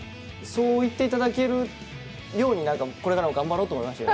そう言っていただけるようにこれからも頑張ろうと思いました。